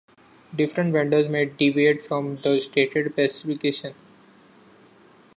Different vendors may deviate from the stated specification.